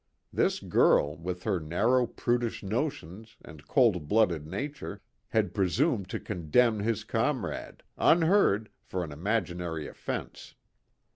This girl, with her narrow prudish notions and cold blooded nature, had presumed to condemn his comrade, unheard, for an imaginary offence.